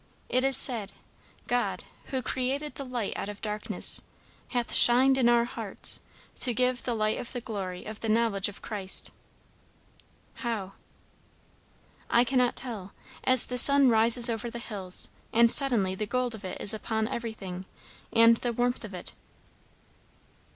It is said, 'God, who created the light out of darkness, hath shined in our hearts, to give the light of the glory of the knowledge of Christ.'" "How?" "I cannot tell. As the sun rises over the hills, and suddenly the gold of it is upon everything, and the warmth of it."